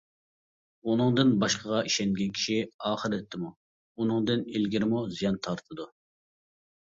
ئۇنىڭدىن باشقىغا ئىشەنگەن كىشى ئاخىرەتتىمۇ، ئۇنىڭدىن ئىلگىرىمۇ زىيان تارتىدۇ.